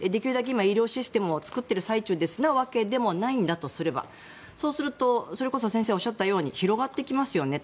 今、医療システムを作っている最中ですというわけでもないんだとすればそうすると、それこそ先生がおっしゃったように広がってきますよねと。